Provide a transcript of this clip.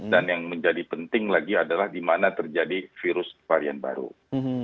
dan yang menjadi penting lagi adalah di mana terjadi virus virus